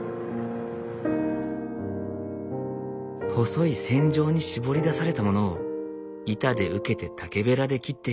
細い線状にしぼり出されたものを板で受けて竹べらで切っていく。